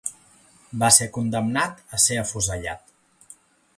Va ser condemnat a ser afusellat.